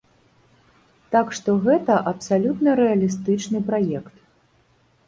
Так што гэта абсалютна рэалістычны праект.